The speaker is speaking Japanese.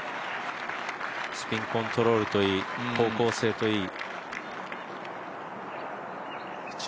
スピンコントロールといい、方向性といい。